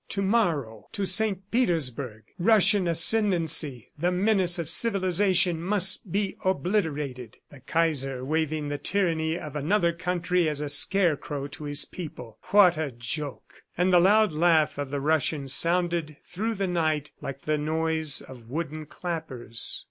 'To morrow! To St. Petersburg! Russian ascendency, the menace of civilization, must be obliterated!' The Kaiser waving the tyranny of another country as a scarecrow to his people! ... What a joke!" And the loud laugh of the Russian sounded through the night like the noise of wooden clappers.